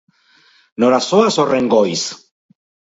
Nora zoaz horren goiz?